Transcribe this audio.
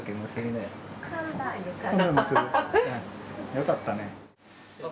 よかったね。